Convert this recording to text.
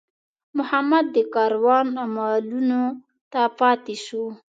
محمد د کاروان مالونو ته پاتې شو.